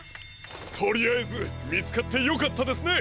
とりあえずみつかってよかったですね。